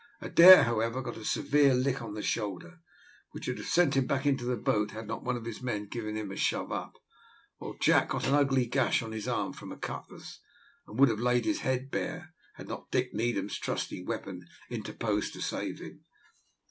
Adair, however, got a severe lick on the shoulder, which would have sent him back into the boat had not one of his men given him a shove up; while Jack got an ugly gash on his arm from a cutlass, and would have had his head laid bare, had not Dick Needham's trusty weapon interposed to save him.